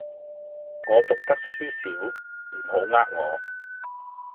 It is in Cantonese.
我讀得書少，你唔好呃我